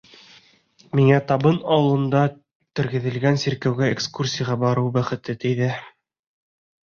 Миңә Табын ауылында тергеҙелгән сиркәүгә экскурсияға барыу бәхете тейҙе.